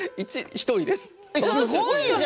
１人です。